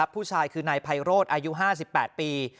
ผู้ชายคือนายไพโรธอายุ๕๘ปี